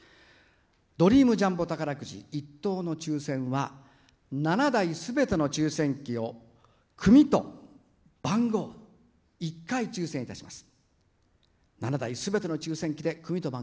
ドリームジャンボ宝くじ１等の抽せんは７台すべての抽せん機を組と番号１回、抽せんいたします。